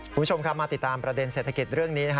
คุณผู้ชมครับมาติดตามประเด็นเศรษฐกิจเรื่องนี้